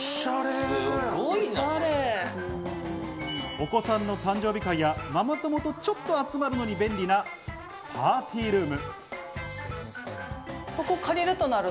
お子さんの誕生日会やママ友とちょっと集まるのに便利なパーティールーム。